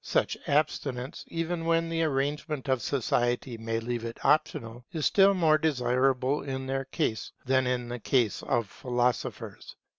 Such abstinence, even when the arrangements of society may leave it optional, is still more desirable in their case than in the case of philosophers.